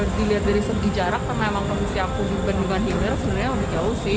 dilihat dari segi jarak karena memang komisi aku di bandungan hilir sebenarnya lebih jauh sih